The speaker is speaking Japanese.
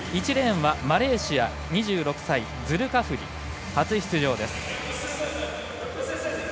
１レーンはマレーシアズルカフリ、初出場です。